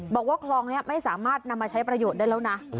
บอกว่าคลองนี้ไม่สามารถนำมาใช้ประโยชน์ได้แล้วนะ